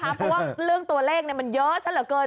เพราะว่าเรื่องตัวเลขมันเยอะซะเหลือเกิน